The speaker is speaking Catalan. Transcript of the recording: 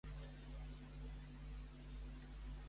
A què va referència el nom amb què el van designar?